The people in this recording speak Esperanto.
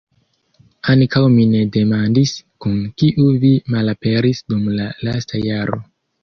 Ankaŭ mi ne demandis, kun kiu vi malaperis dum la lasta jaro.